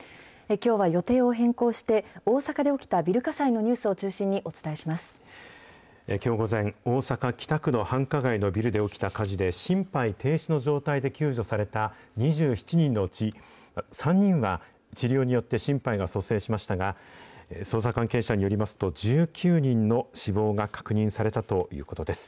きょうは予定を変更して、大阪で起きたビル火災のニュースをきょう午前、大阪・北区で繁華街のビルで起きた火事で、心肺停止の状態で救助された２７人のうち、３人は治療によって心肺が蘇生しましたが、捜査関係者によりますと、１９人の死亡が確認されたということです。